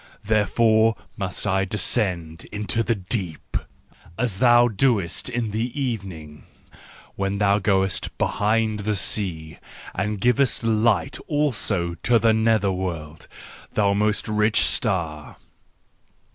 Therefore must I descend into the deep, as thou doest in the evening, when thou goest behind the sea and givest light also to the nether¬ world, thou most rich star!